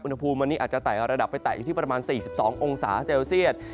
อุณหภูมิวันนี้อาจจะไต่ระดับไปแตะอยู่ที่ประมาณ๔๒องศาเซลเซียต